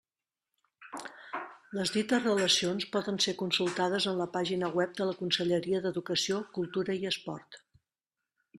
Les dites relacions poden ser consultades en la pàgina web de la Conselleria d'Educació, Cultura i Esport.